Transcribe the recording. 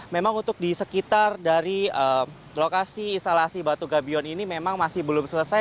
memang untuk di sekitar dari lokasi instalasi batu gabion ini memang masih belum selesai